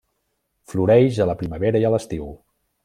Floreix a la primavera i a l'estiu.